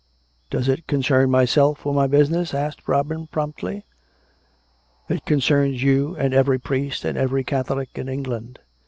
"" Does it concern myself or my business? " asked Robin promptly. " It concerns you and every priest and every Catholic in England.